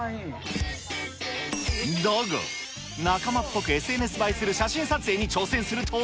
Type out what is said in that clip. だが、仲間っぽくＳＮＳ映えする写真撮影に挑戦すると。